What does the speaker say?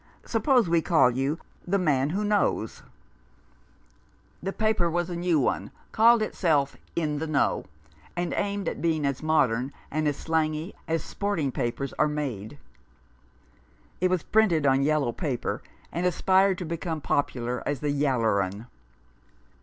Suppose we call you ' The Man who Knows '?" The paper was a new one, called itself In the Know, and aimed at being as modern and as slangy as sporting papers are made. It was 38 A Fellow feeling. printed on yellow paper, and aspired to become popular as the "yaller 'un."